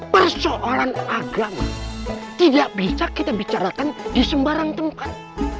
persoalan agama tidak bisa kita bicarakan di sembarang tempat